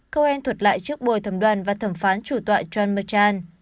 cohen thuật lại trước bồi thẩm đoàn và thẩm phán chủ tọa john merchan